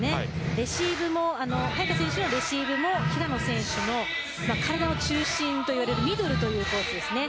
レシーブも早田選手も平野選手の体の中心というミドルというコースですね。